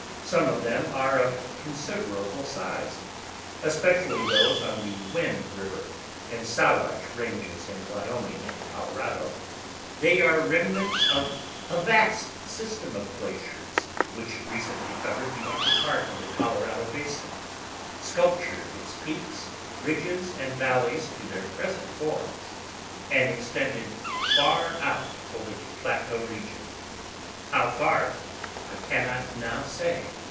Some of them are of considerable size, especially those on the Wind River and Sawatch ranges in Wyoming and Colorado. They are remnants of a vast system of glaciers which recently covered the upper part of the Colorado basin, sculptured its peaks, ridges, and valleys to their present forms, and extended far out over the plateau region—how far I cannot now say.